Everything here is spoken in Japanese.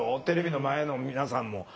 テレビの前の皆さんも。